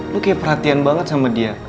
lu kayak perhatian banget sama dia